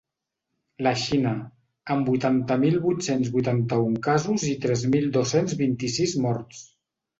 La Xina, amb vuitanta mil vuit-cents vuitanta-un casos i tres mil dos-cents vint-i-sis morts.